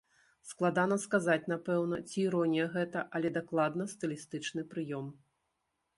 Складана сказаць напэўна, ці іронія гэта, але дакладна стылістычны прыём.